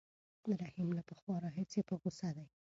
رحیم له پخوا راهیسې په غوسه دی.